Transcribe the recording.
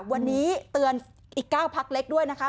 วันนี้เตือนอีก๙พักเล็กด้วยนะคะ